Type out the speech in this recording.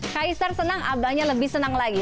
kaisar senang abahnya lebih senang lagi